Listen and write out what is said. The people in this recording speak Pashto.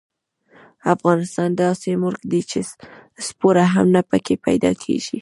افغانستان داسې ملک دې چې سپوره هم نه پکې پیدا کېږي.